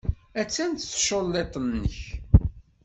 Attan tculliḍt-nnek.